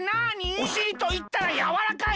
「おしりといったらやわらかい」